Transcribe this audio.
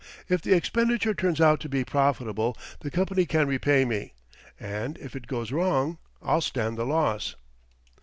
If the expenditure turns out to be profitable the company can repay me; and, if it goes wrong, I'll stand the loss."